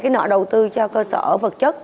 cái nọ đầu tư cho cơ sở vật chất